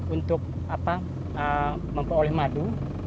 untuk apa mempunyai oleh madu